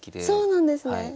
そうなんですね。